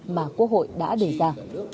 mà quốc hội đã đề ra